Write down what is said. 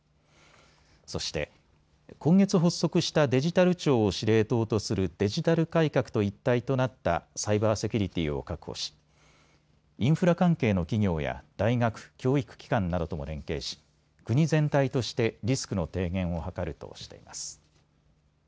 そして今月、発足したデジタル庁を司令塔とするデジタル改革と一体となったサイバーセキュリティーを確保しインフラ関係の企業や大学、教育機関などとも連携し国全体としてリスクの低減を図るとしています。